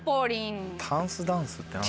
タンスダンスって。